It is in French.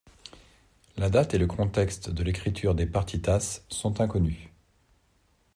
La date et le contexte de l'écriture des partitas sont inconnus.